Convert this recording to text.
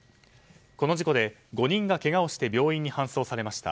この事故で５人がけがをして病院に搬送されました。